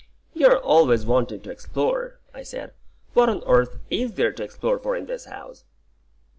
"You're always wanting to explore," I said. "What on earth is there to explore for in this house?"